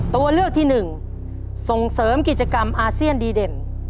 ตัวเลือกที่หนึ่งส่งเสริมกิจกรรมอาเซียนดีเด่น